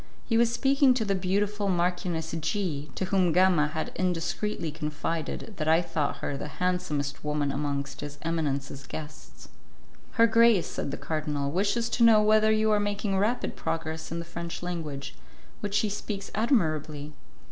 He was speaking to the beautiful Marchioness G , to whom Gama had indiscreetly confided that I thought her the handsomest woman amongst his eminence's guests. "Her grace," said the Cardinal, "wishes to know whether you are making rapid progress in the French language, which she speaks admirably."